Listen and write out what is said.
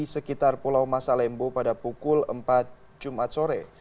sekitar pulau masalembo pada pukul empat jumat sore